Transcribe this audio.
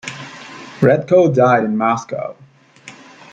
Red'ko died in Moscow.